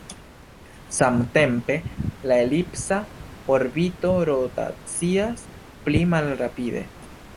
Samtempe, la elipsa orbito rotacias pli malrapide.